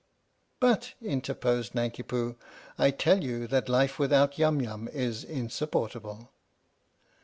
"" But," interposed Nanki Poo, " I tell you that life without Yum Yum is insupportable."